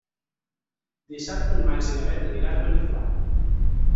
Dissabte en Max i na Bet aniran a Beniflà.